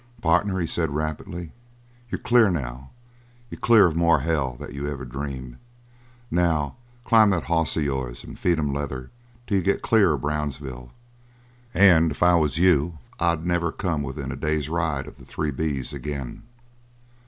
"Partner," he said rapidly, "you're clear now you're clear of more hell that you ever dream. Now climb that hoss of yours and feed him leather till you get clear of Brownsville and if I was you I'd never come within a day's ride of the Three B's again."